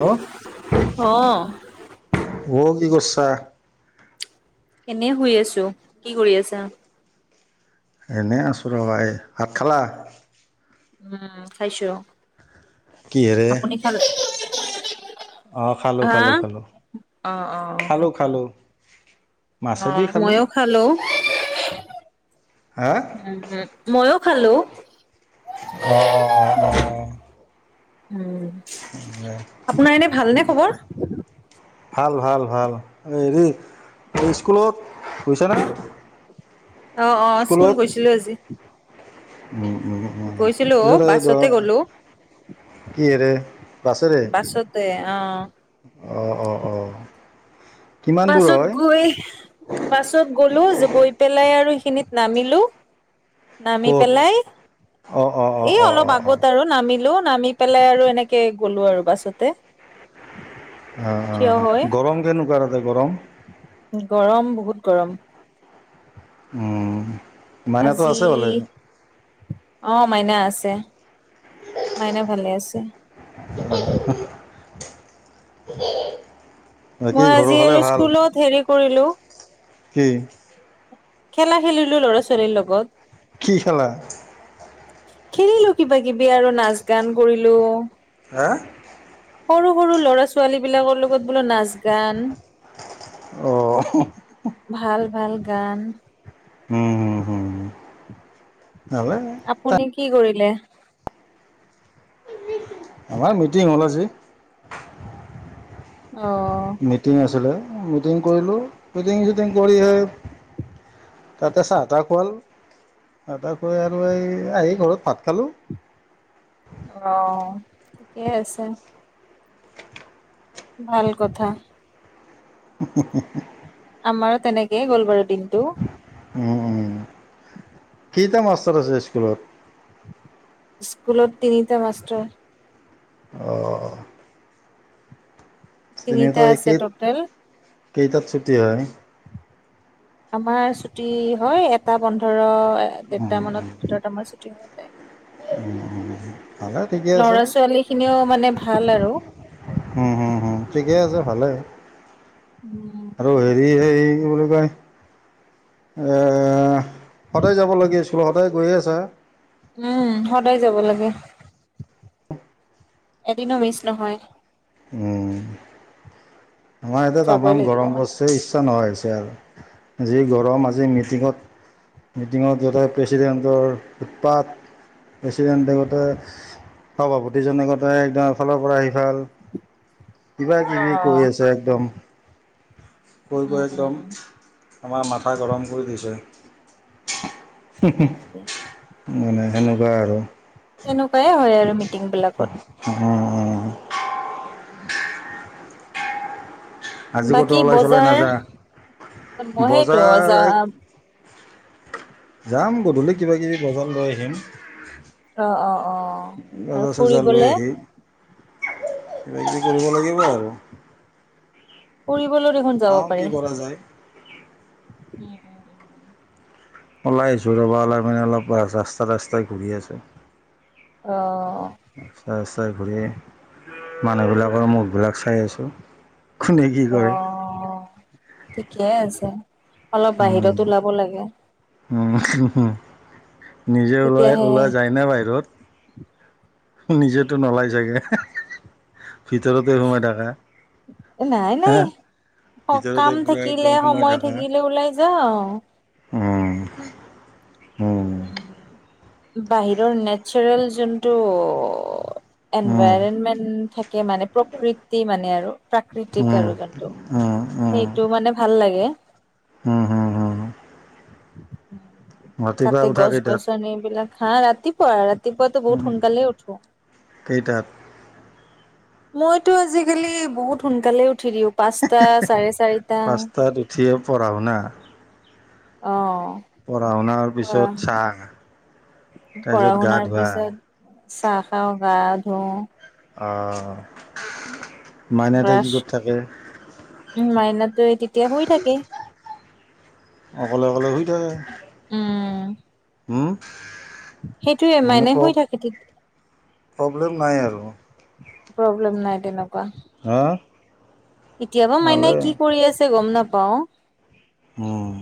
Hello অ' চাহ এনে শুই আছোঁ‌ কি কৰি আছা? এনেই আছোঁ ৰ'বা। ভাত খালা? উম খাইছো কি হেৰে আপুনি খালে? আহ খালোঁ‌, হা? খালোঁ‌, অ', অ'। খালোঁ‌।খালোঁ‌, খালোঁ‌। অ' মইয়ো খালোঁ‌। উ হা মইয়ো হেল্ল' অ' অ' অ' অ' অ' উম আপোনাৰ এনে ভালনে খবৰ? ভাল ভাল ভাল। হেৰি এই স্কুলত গৈছা নে? অ', অ', স্কুল স্কুলত গৈছিলো আজি। উম গৈছিলো অ', উ বাছতে গ'লো। [inaudible] কিহেৰে বাছেৰে অঁ অঁ অঁ অঁ বাছত গৈ বাছত গ'লো গৈ পেলাই আৰু খিনিত নামিলো নামি ক'ত পেলাই অ অ অ এই অ অলপ অ অ আগত অ আৰু নামিলো নামি পেলাই আৰু এনেকে গ'লো আৰু বাছতে। থিয় হৈ গৰম কেনেকুৱা তাত? আ ', গৰম গৰম বহুত গৰম। মাইনাটো আজি আছে ভালে? অ মাইনা আছে, মাইনা ভালে আছে। বাকী মই ঘৰৰ আজি ফালে আৰু ভাল স্কুলত হেৰি কৰিলোঁ কি? খেলা খেলিলো ল'ৰা ছোৱালীৰ লগত। কি খেলা? খেলিলো কিবা কিবি আৰু নাচ গান কৰিলো। হা', সৰু- সৰু ল'ৰা ছোৱালী বিলাকৰ লগত বোলো নাচ গান অ', হ ', হো ', ভালগান। নহাললে ত আপুনি কি কৰিলে? আমাৰ মিটিং হ'ল আজি। অ মিটিং আছিলে। মিটিং কৰিলোঁ মিটিং চিটিং কৰি সে', তাতে চাহ তাহ খোৱাল, আৰ তাৰ পৰাই আৰু এই আহি ঘৰত ভাত খালোঁ। অ ', ঠিকেই আছে। ভাল কথা। হে - হে - হে আমাৰো তেনেকেই গ'লবাৰৰ দিনতটো। উম ', - উম ', কেইটা মাষ্টাৰ আছে স্কুলত? স্কুলত তিনিটা মাষ্টাৰ অঁ', তিনিটা আছে কেই টোটেল। কেইটাত ছুটি হয়? আমাৰ ছুটি হয় এটা পোন্ধৰ দেৰটা মানত দুটাত আমাৰ চু টি হৈ যায় উম', - উম ', - উ ', - উ ', ল'ৰা ছোৱালী খিনিও মানে ভাল আৰু ঠিকে আছে ভালেই। আৰু হেৰি - সেই কি বুলি কয় এহ ', সদায় যাব লাগি আছিল তোমাৰ সদায় গৈয়ে আছা? উম সদায় যাব লাগে। [unintelligible] এদিনো মিচ নহয় উ আমাৰ ইয়াত ত যাবই আমাৰ লাগিব গৰম মানে। বস্তই ইচ্ছা নোহোৱা হৈছে আৰু যি গৰম। আজি মিটিঙত যাওঁতে প্ৰেচিডেণ্টৰ উৎপাত প্ৰেচিডেণ্টেগতে সভাপতিজনে একদম এফালৰ পৰা সিফাল কিবা কিবি কৈ উম আছে একদম কৈ কৈ একদম আমাৰ মাথা গৰম কৰি দিছে। হয় নেকি? মানে সেনেকুৱা আৰু তেনেকুৱাই হয় আৰু মিতিং বিলাকত উ [inaudible] আজি ক'তো বাকী ওলাই চলাই বজাৰ নাযা সেইটোজ বজাৰ যাম গধূলি কিবা কিবি বজাৰ লৈ আহিম। অ' অ' অ' বজাৰ আৰু চজাৰ লৈ ফুৰিবলে? আহি কিবা কিবি কৰিব লাগিব আৰু পৰিব বলো [inaudible] দেখন যাব চাওঁ কি পাৰি কৰা যায় উম উম উম ওলাই আহিছো ৰ'বা ওলাই মানে অলপ ৰাস্তা ৰাস্তাই ঘূৰি আছোঁ‌। আহ তই ঘূৰি মানুহবিলাকৰ মুখবিলাক চাই আছোঁ। কোনে কি কৰে? কিয়াই [inaudible] আছে অলপ বাহিৰত ওলাব লাগে। উ নিজে ওলাই তেতিয়াহে ওলোৱা যায় ন বাহিৰত? নিজে টো নলাই চাগে ভিতৰতে সোমাই থাকা। নাই নাই হা ভিতৰতে সকাম পূৰা থাকিলে একদম সোমাই সময় থাকা থাকিলে ওলাই যাও যাও উম উম উম বাহিৰৰ নেচাৰেল যোনটো উম এনভাইৰনমেণ্ট মানে প্ৰকৃতি মানে আৰু প্ৰাকৃতিক উম আৰু যোনটো সেইটো মানে ভাল লাগে হম হম হম তাতে উঠা গছ কেইটাত গছনি এইবিলাক হা ৰাতি পুৱা ৰাত ৰাতিপুৱাটো বহুত উম সোনকালে উঠো কেইটাত মইতো আজিকালি বহুত সোনকালে উঠি দিওঁ পাঁচটা চাৰে চাৰিটা পাঁচটাত উঠিয়ে পঢ়া শুনা অ পঢ়া শুনাৰ পঢ়া পিছত চাহ পঢ়া তাৰপিছত গা শুনাৰ ধোৱা পিছত চাহ খাওঁ গা অ অ ব্ৰাছ উ মাইনাটো তেতিয়া শুই থাকে। অকলে অকলে শুই উম হওম সেইটোয়ে মাইনা শুই থাকে তেতিয়া প্ৰব্লেম নাই আৰু প্ৰব্লেম নাই তেনেকুৱা হা এতিয়াবা মাইে ভালেই কি কৰি আছে গম নাপ পাওঁ উম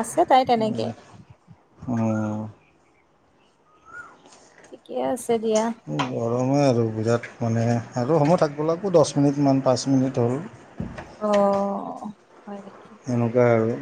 আছে তাই তেনেকে উম। ঠিকে আছ গৰমে আৰু বিৰাট মানে আৰু সমূহ থাকিব লাগিব দহ মিনিটমান পাঁচ মিনিট হ'ল অ হয় এনেকুৱা আৰু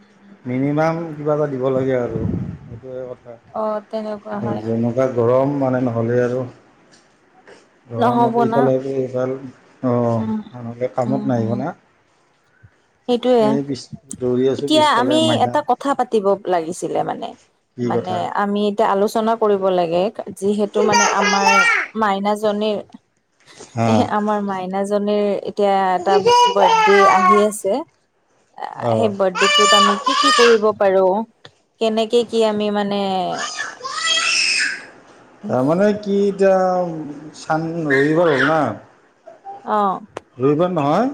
উম মিনিমাম কিবা এটা দিব লাগে আৰু সেইটোৱেই ক। থা অ', তেনেকুৱা আৰু হয়। যেনেকুৱা গৰম মানে নহ'লে আৰু নহ'ব গৰমত না, ইফালে সিফালে উম, অহ কামত নাহিব না? সেইটয়ে এই পিছ দৌৰি আছোঁ এতিয়া পিছফালে আমি মাইনা এটা কথা পাতিব লাগিছিলে মানে কি মানে কথা আমি এতিয়া আলোচনা কৰিব লাগে যিহেতু মানে আমাৰ মাইনাচ জনীৰ হা এহে আমাৰ মাইনা জনিৰ এতিয়া এটা বাৰ্থডে আহি আছে অঁ সেই বাৰ্থডেটোত আমি কি কি কৰিব পাৰো কেনেকে কি আমি মানে তাৰমানে কি এতিয়া চান মেৰিব লাগিব না অ ৰবিবাৰ নহয়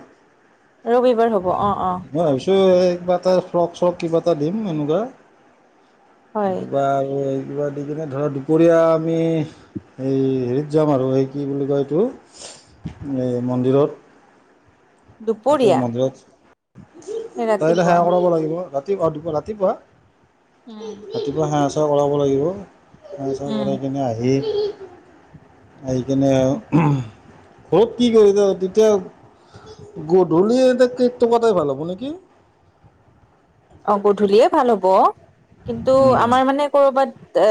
ৰবিবাৰ হ'ব অ অ মই ভাবিছোঁ কিবা এটা ফ্ৰক চক কিবা এটা দিম এনেকুৱা হয় অথবা আৰু কিবা দি কিনে ধৰা দুপৰীয়া আমি এইেই হেৰিত যাম আৰু সেই কি বুলি কয় এইটো এই মন্দিৰত ততে দুপৰীয়া মন্দিৰত তাইলে ৰাতিপুৱা সেৱা কৰাব লাগিব তাত ৰা অপুৱ ৰাতিপুৱা উম ৰাতিপুৱা হাঁহ আছে উলাব লাগিব হাহ চা উম ভৰাই কিনে আহি [unintelligible] আহি কিনে অ' কি কৰিছ? তেতিয়া গধূলি এতিয়া কেটতো ভাল হ'ব নেকি? অ' গধূলিয়ে ভাল হ'ব। ব কিন্তু উম আমাৰ মানে কৰ'বাত এ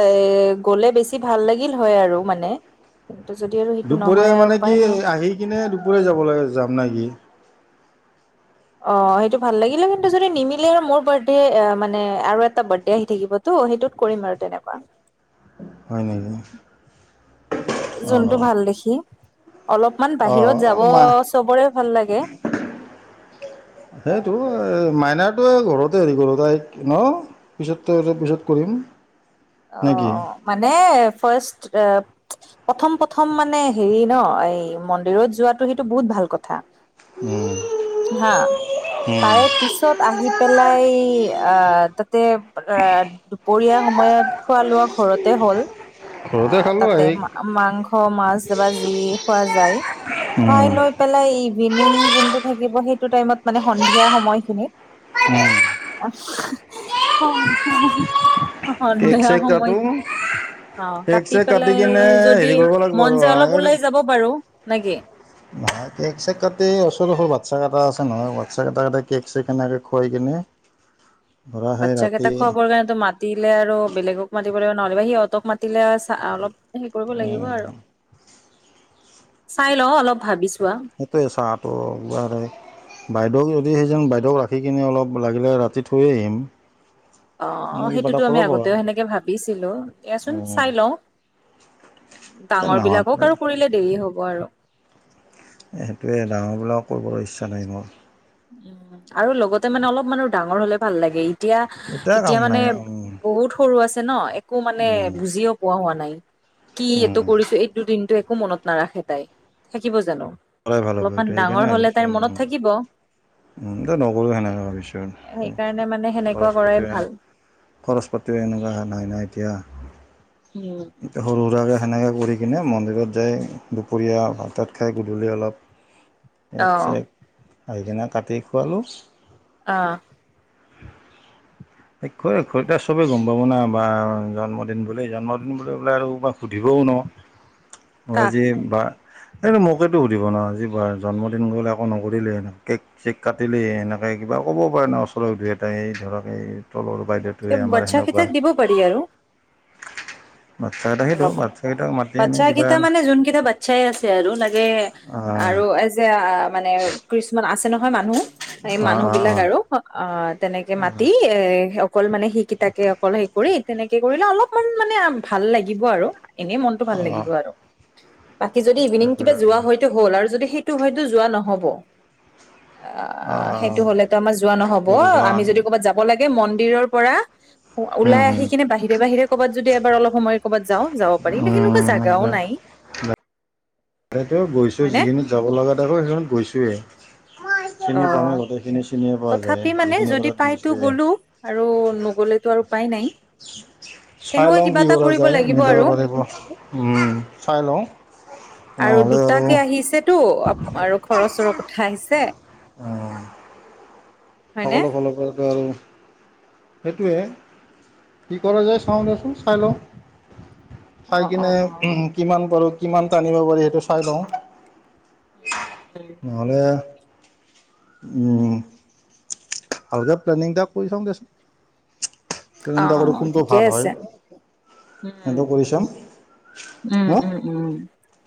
গ'লে বেছি বেছি ভাল লাগিল হয় আৰু মানে যদি আৰু সেইটো নহয় দুপৰীয়া আৰু মানে উপায় কি নাই আহি কিনে দুপৰীয়া যাবলৈ যাম না কি হয় [inaudible] অ' সেইটো ভাল লাগিলে কিন্তু যদি নিমিলে আৰু মোৰ বাৰ্থডে মানে আৰু এটা বাৰ্থডে আহি থাকিবতো সেইটোত কৰিম আৰু তেনেকুৱা। হয় নেকি? যোনটো অঁ ভাল দেখি অলপমান অঁ বাহিৰত যাব মা চবৰে ভাল লাগে সেইটো মাইনাৰটো ঘৰতে হেৰি কৰোঁ‌ ন পিছৰতোপিছত কৰিম। নেকি অ' মানে ফাষ্ট এ প্ৰথম প্ৰথম মানে হেৰি ন এই মন্দিৰত যোৱাটো সেইটো বহুত ভাল কথা। উম হা তাৰে পিছত আহি পেলাই আহ তাতে দুপৰীয়া সময়ত খোৱা লোৱা ঘৰত হ'ল আহ খালোঁ তাতে আহি। মাংস মাছ বা যি খোৱা যায় খোৱা যায় উম। খাই লৈ পেলাই মিনিং যোনটোত থাকিব ।সেইটো টাইমত মানে সন্ধিয়া সময়খিনিত। উম অ' কেক সন্ধিয়া চেক কাটো সময়খিনি অ' কেক কাটি চেক পেলাই কিনে যদি হেৰি কৰিব লাগিব মন আৰু যে অলপ ওলাই যাব বাৰু না কি নহয় কেক চেক কাটি ওচৰ বাচ্ছা কেইটা আছে নহয় বাচ্ছা কেইটাত কেক চেক কেনেকে খুৱাই কিনে ধৰা সেই বাচ্ছাক কেইটা খোৱাবৰ ৰাতি কাৰণেতো মাতিলে আৰু বেলেগক মাতিব লাগিব। নহলেবা সিহতক মাতিলে চা অলপ হে কৰিব লাগিব আৰু চাই ল অলপ ভাবিছোঁ‌। সেইটোৱে চাহটো একবাৰ বাইদেউক যদি বাইদেউক ৰাখি কিনে অলপ লাগিলে ৰাতি থৈয়ে আহিম অ' এনে অ' কিবা এটা সেইটোতো আমি কৰিব পাৰা আগতেও সেনেকে ভাবিছিলো দিয়াচোন চাই লওঁ। তে ডাঙৰ নাহাত বিলাকক আৰু কৰিলে দেৰি হ'ব। হ'ব আৰু। সেইটোৱে ডাঙৰ বিলাক কৰিবলৈ ইচ্ছা নাই মোৰ। উম আৰু লগতে মানে অলপ মানুহ ডাঙৰ হলে ভাল লাগে ই এতিয়া কাম এতিয়া মানে নাই উম বহুত সৰু আছ ন এক একো মানে উম বুজিও পোৱা হোৱা নাই কি এইটো উম কৰিছো এইটো দিনটো একো মনত নাৰাখে তাই থাকিব জানো? কৰাই ভাল হ'ব অলপমান ডাঙৰ হ'লে তাইৰ মনত থাকিব। দে নকৰোঁ সেনেকে ভাবিছোঁ সেইকাৰণে মানে সেনেকুৱা খৰচ কৰাই ভাল। পাতিও- খৰচ পাতিও এনেকুৱা নাই, নাই না এতিয়া। উম, এতিয়া সৰু-হুৰুাকে সেনেকে কৰি কিনে মন্দিৰত যায় দুপৰীয়া ভাত- তাত খাই গধূলি অলপ অ', একছ এক, আহি কিনে কাটি খোৱালোঁ। আহ', [unintelligible] একো ঘৰতে চবেই গম পাব ন', বা জন্মদিন বুলি জন্মদিন বুলি আৰু ছবে সুধিবও নহ', কাক বজিম বা। এইটো মোকেতো সুধিব নহ', আজি জন্মদিন গ'ল একো নকৰিলে কেক-চেক কাটিলেই এনেকে কিবা ক'ব পাৰে নহ', ওচৰত দুই এটাই এই ধৰক এই তলৰ বাইদেউটোৱে আমাৰ বাচছা সেনেকুৱা কেইটাক দিব পাৰি আৰু। বাচ্ছাকেইটা সেইটো অলপ বাচ্ছাকেইটাক মাতি আনি বাচ্ছা কিবা কেতা অঁ মানে যোন কেইটা বাচ্ছাই আছে আৰু লাগে আৰু এজ এ মানে কিছুমান আছে [unintelligible] এই অঁ মানুহ অঁ বিলাক অঁ আৰু অ', তেনেকে মাতি এ', অকল মানে সেই কেইটাকে অকল সে কৰি, তেনেকে কৰিলে অলপমান মানে ভাল লাগিব আৰু। এনেই মনতটো ভাল অঁ লাগিব আৰু। বাকী যদি ইভিনিং সেইটোৱে কিবা যোৱা হয়তো হ'ল আৰু যদি সেই হয়তো-হয়তো যোৱা নহ'ব। আহ্ অঁ সেইটো অঁ হলেতো আমাৰ যোৱা নহব, সেইটোৱে আমি যদি কৰ'বাত যাব লাগে মন দিৰৰ পৰা, ওলাই আহি কিনে বাহিৰে-বাহিৰে ক'বাত, যদি এবাৰ অলপ, সময় ক'বাত যাওঁ যাব পাৰি নে হেনো, অ', জাগাও নাই। তাতেওঁ গৈছো, হয়নে যিখিনিত যাব লগা তাকো সেইখনত গৈছোৱেই। অ চিনি পোৱা নাই গোটেইখিনি, চিনিয়ে পোৱা যায় তথাপি মানে যিখিনি যদি কথাত পাইতো বুজিছোৱে গ'লো আৰু নগ'লেতো আৰু উপাই নাই। চাই তেনেকুৱা লওঁ কিবা কি এটা কৰা কৰিব যায় লাগিব মিলাব আৰু পাৰিব উম', চাই লওঁ। আৰু দুটাকে আহিছেতো আৰু ঘৰত বছৰৰ কথা আহিছে অহ। হয়নে সকলো ফালৰ পৰাটো আৰু সেইটোৱে কি কৰা যায় চাওঁতে। চাই লওঁ অ ।চাই অ কিনে অ কিমান কৰোঁ‌। কিমান টানিব পাৰি সেইটো চাই লওঁ নহ'লে উম। ভালকে প্লেনিং এটা কৰি চাওঁ দেচোন। প্লেনিং এটা কৰি অ' কোনটো ভাল ঠিকেই হয় আছে। উম সেইটো কৰি চাম উম হা উম উম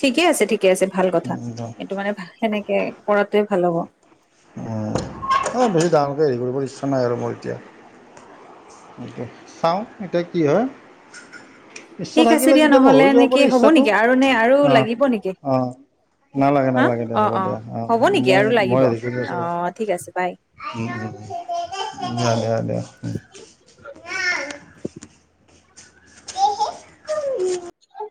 ঠিকে আছে। ঠিক ঠিকে আছে। ভাল কথা। এইটো মানে সেনেকে কৰাটো ভাল হ'ব উম বেছি ডাঙৰকে হেৰি কৰিবলৈ ইচ্ছা নাই আৰু মোৰ এতিয়া চাওঁ এতিয়া কি হয় ইচ্ছা ঠিক আছে থাকিলে দিয়া কেতিয়াবা নহ'লে হৈ যাব এনেকি পাৰে হ'ব ইচ্ছাটো নেকি আৰু নে আৰু অঁ লাগিব নেকি অঁ নালাগে হা নালাগে দিয়া অ' হ'ব দিয়া অঁ অ'হ'ব নেকি মই আৰু লাগিব অ' ঠিক আছে বাই। উম উ উ দিয়া দিয়া। দিয়া উ [inaudible]